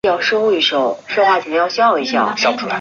主要城镇为蒙迪迪耶。